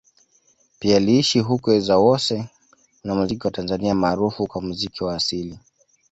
Pia aliishi Hukwe Zawose mwanamuziki wa Tanzania maarufu kwa muziki wa asili